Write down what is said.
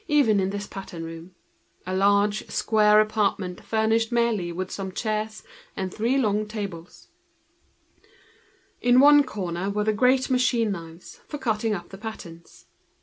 It was a large, square room, furnished simply with some chairs and three long tables. In one corner were the great machine knives, for cutting up the patterns.